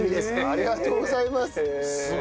ありがとうございます！